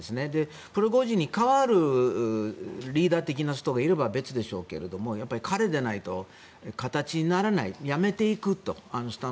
プリゴジンに代わるリーダー的な人がいれば別でしょうけども彼でないと形にならない。